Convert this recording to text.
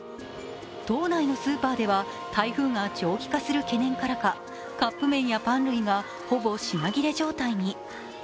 島内のスーパーでは台風が長期化する懸念からかカップ麺やパン類が、ほぼ品切れ状態に。